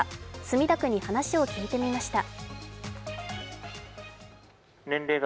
墨田区に話を聞いてみました。